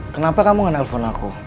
kenapa kamu gak nelfon aku